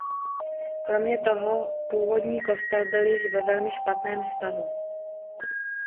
Kromě toho původní kostel byl již ve velmi špatném stavu.